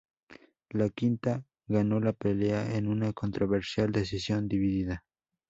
Iaquinta ganó la pelea en una controversial decisión dividida.